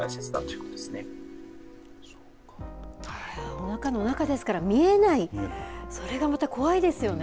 おなかの中ですから見えないそれがまた怖いですよね。